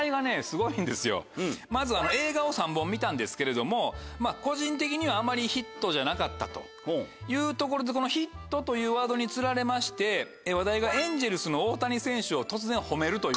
まず映画を３本見たんですけれども個人的にはあまりヒットじゃなかったというところでヒットというワードに釣られまして話題がエンゼルスの大谷選手を突然褒めるという。